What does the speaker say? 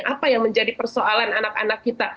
apa yang menjadi persoalan anak anak kita